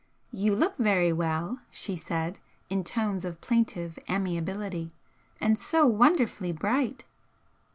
"You look very well!" she said, in tones of plaintive amiability "And so wonderfully bright!"